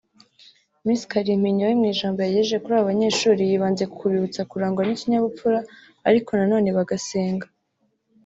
Miss Kalimpinya we mu ijambo yagejeje kuri aba banyeshuri yibanze ku kubibutsa kurangwa n’ikinyabupfura ariko nanone bagasenga